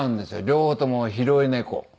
両方とも拾い猫。